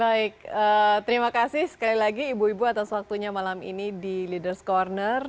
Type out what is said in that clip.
baik terima kasih sekali lagi ibu ibu atas waktunya malam ini di leaders' corner